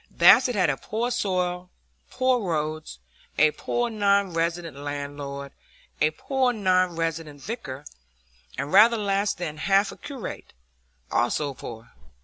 Basset had a poor soil, poor roads, a poor non resident landlord, a poor non resident vicar, and rather less than half a curate, also poor.